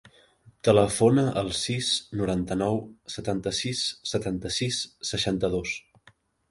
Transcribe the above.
Telefona al sis, noranta-nou, setanta-sis, setanta-sis, seixanta-dos.